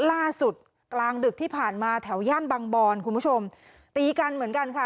ล่าสุดกลางดึกที่ผ่านมาแถวย่านบางบอนคุณผู้ชมตีกันเหมือนกันค่ะ